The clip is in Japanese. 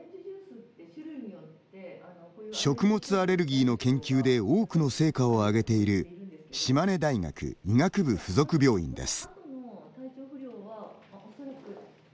食物アレルギーの研究で多くの成果を上げている島根大学、医学部附属病院です。